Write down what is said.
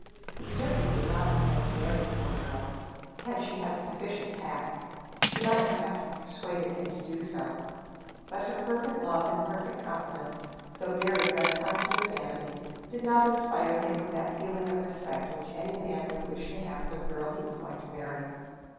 He certainly did not intend to marry the poor girl; had she had sufficient tact, she might, perhaps, have persuaded him to do so; but her fervent love and perfect confidence, though very gratifying to his vanity, did not inspire him with that feeling of respect which any man would wish to have for the girl he was going to marry.